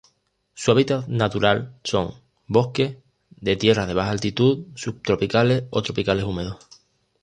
Su hábitat natural son: bosques, de tierras de baja altitud, subtropicales o tropicales húmedos.